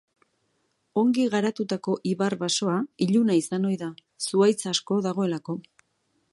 Ongi garatutako ibar-basoa iluna izan ohi da, zuhaitz asko dagoelako.